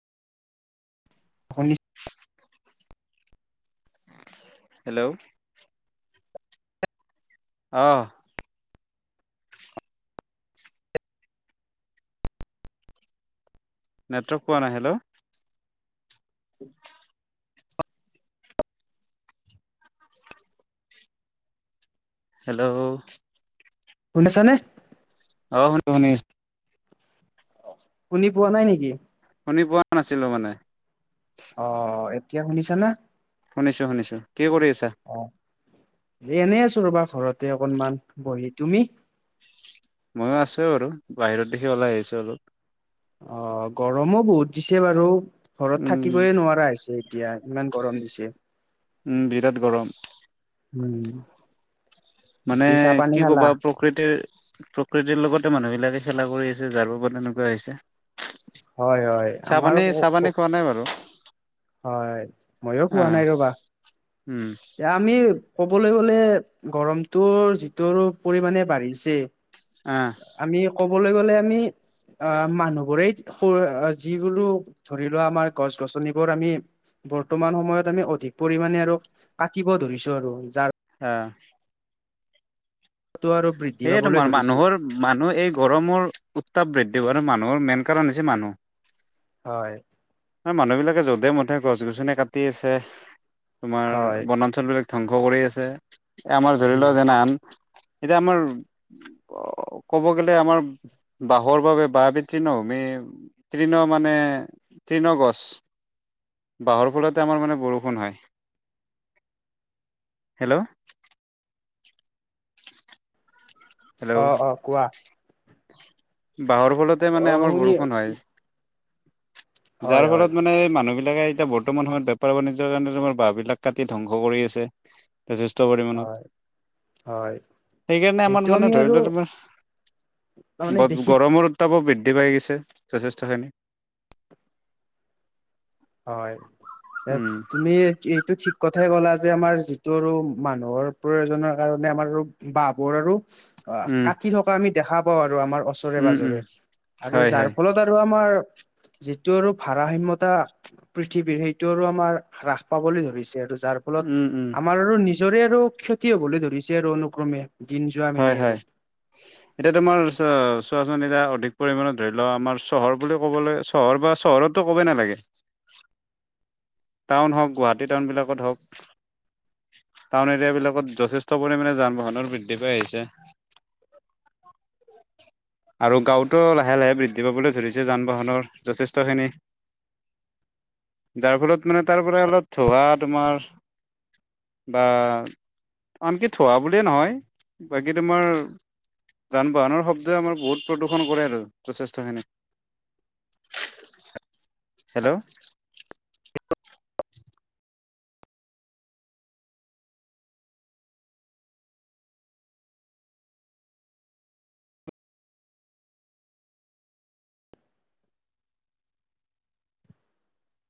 শুনি হেল্ল' অঁ নেটৱৰ্ক পোৱা নাই হেল্ল উ হেল্ল' গম পাইছনে? অ শুনি শুনি আছো শুনি পোৱা নাই নেকি শুনি পোৱা নাছিলোঁ মানে অ এতিয়া শুনিছা না শুনিছোঁ শুনিছোঁ কি কৰি আছা? অ এ এনেই আছো ৰবা ঘৰতে অকনমান বহি তুমি ময়ো আছোৱেই বাৰু বাহিৰত দেখি ওলাই আহিছোঁ অলপ অ গৰমো বহুত দিছে বাৰু ঘৰত উম থাকিবয়ে নোৱাৰা হৈছে। এতিয়া ইমান গৰম দিছে। উম বিৰাট গৰম উম মানে বাকী চাহ পানী কি খালা ক'বা প্ৰকৃতিৰ প্ৰকৃতিৰ লগতে মানুহ বিলাকে খেলা কৰি আছে যাৰ বাবে এনেকুৱা হৈছে। হয় হয় চাহ আমাৰ পানী চাহপানী খোৱা নাই বাৰু হয় ময়ো খোৱা আহ নাই ৰবা উম এ আমি কবলৈ গলে গৰমটো যিটো পৰিমানে বাঢ়িছে অ আমি কবলৈ গ'লে আমি অ মানুহ বোৰেই যিবোৰো ধৰি লোৱা আমাৰ গছ গছনি বোৰ আমি বৰ্তমান সময়ত আমি অধিক পৰিমণে আৰু কাটিব ধৰিছো আৰু যাৰ অ তো আৰু বৃ সেয়ে তোমাৰ মানুহৰ মানুহ এই গৰমৰ উত্তাপ বৃদ্ধি পোৱা মানুহৰ মেইন কাৰণ হৈছে মানুহ হয় এ মানুহ বিলাকে যধে মধে গছ গছনি কাটি আছে তোমাৰ হয় বনা। ঞ্চল বিলাক ধ্বংস কৰি আছে আমাৰ জৰি ল উম যেন আন এতিয়া আমাৰ। ক'ব গলে আমাৰ বাঁহৰ বাবে বাঁহ বৃদ্ধি নহ মেই তৃণ মানে তৃণ গছ বাঁহৰ ফলতে আমাৰ মানে বৰষুণ হয়, হেল্ল' হেল্ল' অ অ', কোৱা। বাঁহৰ ফলতে অ মানে আমাৰ শুনি বৰষুণ হয়। হয় যাৰ হয় ফলত মানে মানুহ বিলাকে এতিয়া, বহুত বৰ্তমান সময়ত বেপাৰ বাণিজ্যৰ কাৰণে, তোমাৰ বাঁহবিলাক কাটি ধ্বংস কৰি আছে। যথেষ্ট পৰিমাণত, হয় হয় সেইকাৰণে এইটো আমাৰ আমি মানে আৰু ধৰি লওঁক তোমাৰ তাৰমানে দেখি গৰমৰ উত্তাপো বৃদ্ধি পাই গৈছে, যথেষ্টখিনি হয়, উম তুমি এইটো ঠিক কথাই ক'লা যে আমাৰ যিটো, আৰু মানুহৰ প্ৰয়োজনৰ কাৰণে আমাৰ বাহঁবোৰ আৰু অ', উম কাটি থকা আমি দেখা পাওঁ আৰু আমাৰ ওচৰে উম উম পাজৰে, আৰু হয় হয় যাৰ ফলত আৰু আমাৰ যিটোৰ, আৰু ভাৰসাম্যয়তা পৃথিৱীৰ সেইটো আৰু আমাৰ, হ্ৰাস পাবলৈ ধৰিছে আৰু যাৰ ফলত, উম, উম, আমাৰ আৰু নি নিজৰে আৰু ক্ষতি হ'বলৈ ধৰিছে আৰু অনুক্ৰমে জিন য [unintelligible] হয় হয়। উম। এতিয়া তোমাৰ চ চোৱাচন, এটা অধিক পৰিমাণত ধৰি লোঁৱা, আমাৰ চহৰ বুলিও ক'বলৈ চহৰ বা চহৰতটো ক'বয়েই নালাগে। টাউন হওঁক, গুৱাহাটী টাউনবিলাকত হওঁক টাউন এৰিয়াবিলাকত, যথেষ্ট পৰিমাণে যান বাহনৰ বৃদ্ধি পাই আহিছে। [inaudible] আৰু গাঁওটো লাহে লাহে বৃদ্ধি পাবলৈ ধৰিছে, যান-বাহনৰ যথেষ্টখিনি। যাৰ ফলত মানে তাৰ পৰা অলপ, ধোঁৱা তোমাৰ বা আনকি ধোঁৱা বুলিয়ে নহয়, বাকী তোমাৰ যান-বাহনৰ শব্দই আমাৰ বহুত প্ৰদূষণ কৰে, আৰু যথেষ্ট খিনি [unintelligible] হেল্ল' [unintelligible]